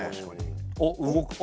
おっ動く。